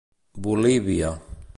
Bolívia.